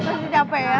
pasti capek ya